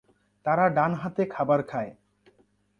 তারা ডান হাতে খাবার খায়।